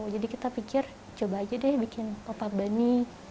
jadi kita pikir coba aja deh bikin pop up bunny